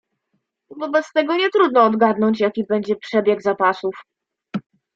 "Wobec tego nie trudno odgadnąć, jaki będzie przebieg zapasów."